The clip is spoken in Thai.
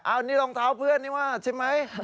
อันนี้รองเท้าเพื่อนนี่ว่าใช่ไหม